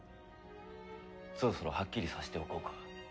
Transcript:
そろそろはっきりさせておこうか。